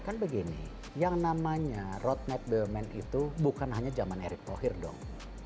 kan begini yang namanya roadmap bumn itu bukan hanya zaman erick thohir dong